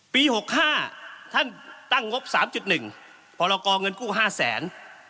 ปี๖๕ท่านตั้งงบ๓๑พรกรเงินกู้๕แสน